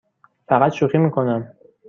فقط شوخی می کنم.